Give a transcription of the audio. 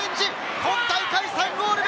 今大会３ゴール目！